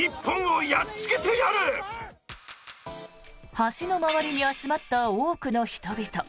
橋の周りに集まった多くの人々。